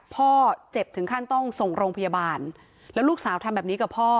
พ่อเจ็บถึงขั้นต้องส่งโรงพยาบาลแล้วลูกสาวทำแบบนี้กับพ่อ